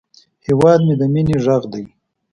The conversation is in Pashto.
هیواد مې د مینې غږ دی